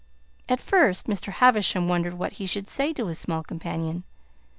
At first Mr. Havisham wondered what he should say to his small companion.